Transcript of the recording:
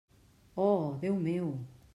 Oh, Déu meu!